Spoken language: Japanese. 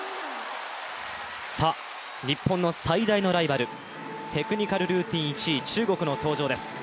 日本の最大のライバル、テクニカルルーティン１位、中国の登場です。